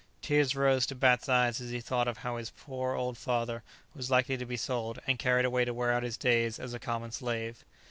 Tears rose to Bat's eyes as he thought of how his poor old father was likely to be sold, and carried away to wear out his days as a common slave.